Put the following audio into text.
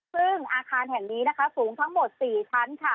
ซึ่งอาคารแห่งนี้นะคะสูงทั้งหมด๔ชั้นค่ะ